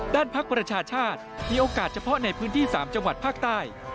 ภักดิ์ประชาชาติมีโอกาสเฉพาะในพื้นที่๓จังหวัดภาคใต้